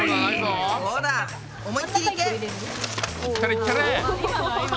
いったれいったれ！